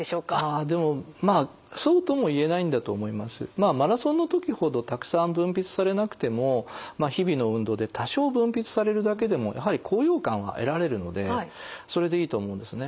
まあマラソンの時ほどたくさん分泌されなくても日々の運動で多少分泌されるだけでもやはり高揚感は得られるのでそれでいいと思うんですね。